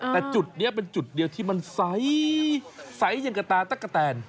แต่จุดนี้เป็นจุดเดียวที่มันใสอย่างกับตาตั๊กกะแตน